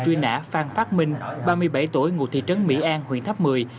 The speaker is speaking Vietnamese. truy nã phan phát minh ba mươi bảy tuổi ngụ thị trấn mỹ an huyện tháp mười